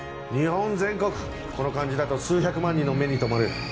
日本全国この感じだと数百万人の目に留まる。